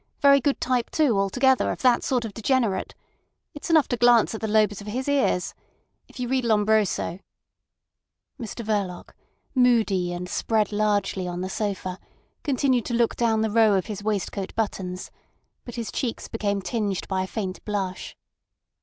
Very good type too, altogether, of that sort of degenerate. It's enough to glance at the lobes of his ears. If you read Lombroso—" Mr Verloc, moody and spread largely on the sofa, continued to look down the row of his waistcoat buttons; but his cheeks became tinged by a faint blush.